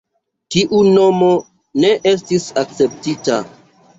Tiu nomo ne estis akceptita.